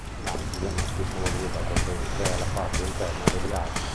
In altri le macchie sono limitate al ventre e alla parte interna degli arti.